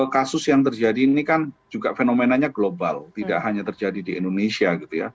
kasus yang terjadi ini kan juga fenomenanya global tidak hanya terjadi di indonesia gitu ya